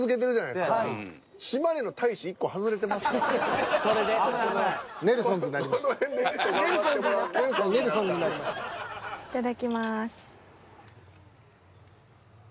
いただきます。